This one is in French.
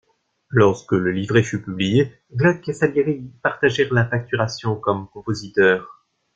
Lorsque le livret fut publié, Gluck et Salieri partagèrent la facturation comme compositeurs.